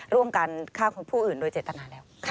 ร่วมกันฆ่าผู้อื่นโดยเจตนาแล้ว